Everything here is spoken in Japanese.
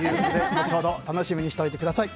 後ほど、楽しみにしてください。